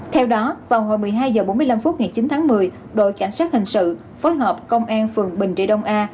theo đó vào hồi một mươi hai h bốn mươi năm phút ngày chín tháng một mươi đội cảnh sát hình sự phối hợp công an phường bình trị đông a